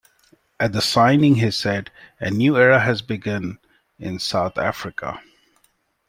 At the signing he said A new era has begun in South Africa.